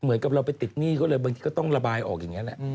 เหมือนกับเราไปติดหนี้เขาเลยบางทีก็ต้องระบายออกอย่างนี้แหละ